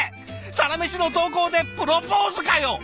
「サラメシ」の投稿でプロポーズかよ！